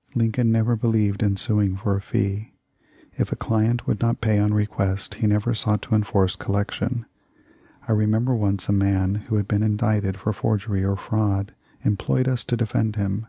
"* Lincoln never believed in suing for a fee. If a client would not pay on request he never sought to enforce collection. I remember once a man who had been indicted for forgery or fraud employed us to defend him.